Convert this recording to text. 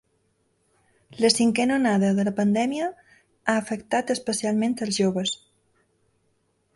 La cinquena onada de la pandèmia ha afectat especialment els joves.